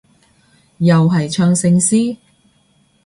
又係唱聖詩？